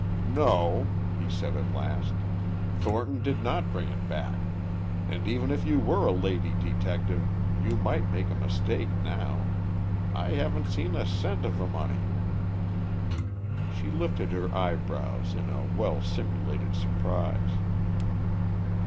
"No," he said at last. "Thornton did not bring it back. And even if you were a lady detective you might make a mistake now. I haven't seen a cent of the money." She lifted her eyebrows in well simulated surprise.